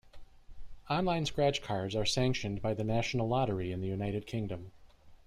Online scratch cards are sanctioned by the National Lottery in the United Kingdom.